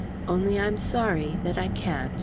Only, I'm sorry that I can't."